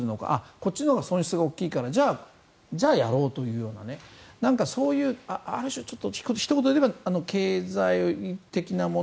こっちのほうが損失が大きいからじゃあやろうというようなそういうある種、ひと言で言えば経済的なもの